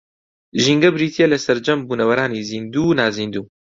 ژینگە بریتییە لە سەرجەم بوونەوەرانی زیندوو و نازیندوو